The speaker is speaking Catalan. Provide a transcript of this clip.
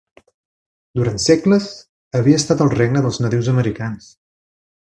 Durant segles, havia estat el regne dels nadius americans.